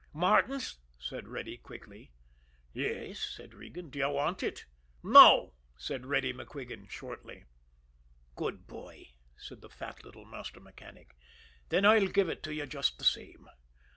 "Martin's?" said Reddy quickly. "Yes," said Regan. "Do you want it?" "No," said Reddy MacQuigan shortly. "Good boy," said the fat little master mechanic. "Then I'll give it to you just the same.